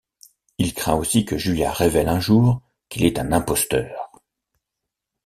Il craint aussi que Julia révèle un jour qu'il est un imposteur.